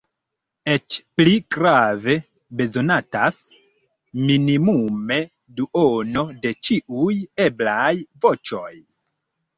Eĉ pli grave, bezonatas minimume duono de ĉiuj eblaj voĉoj.